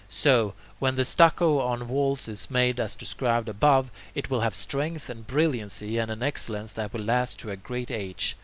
So, when the stucco on walls is made as described above, it will have strength and brilliancy, and an excellence that will last to a great age.